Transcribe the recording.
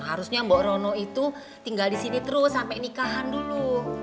harusnya mbak rono itu tinggal disini terus sampai nikahan dulu